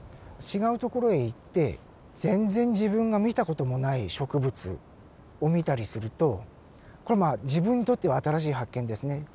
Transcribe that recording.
違う所へ行って全然自分が見た事もない植物を見たりするとこれまあ自分にとっては新しい発見ですね。